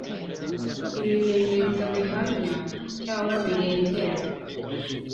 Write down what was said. ibimenyetso bihamya cyangwa birengera